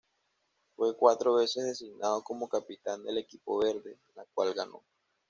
Fue cuatro veces designado como capitán del equipo verde, la cual ganó.